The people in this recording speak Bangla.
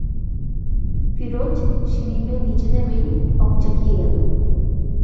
ফিরোজ সিঁড়ি বেয়ে নিচে নেমেই হকচাকিয়ে গেল!